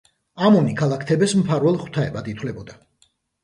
ამონი ქალაქ თებეს მფარველ ღვთაებად ითვლებოდა.